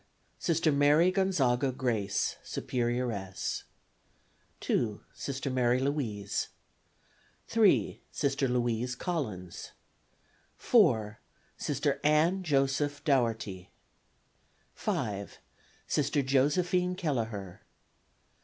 Sister Mary Gonzaga Grace, Superioress. 2. Sister Mary Louis. 3. Sister Louise Collins. 4. Sister Ann Joseph Dougherty. 5. Sister Josephine Keleher.